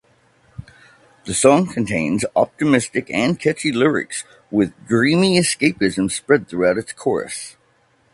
The song contains optimistic and catchy lyrics with dreamy escapism spread throughout its chorus.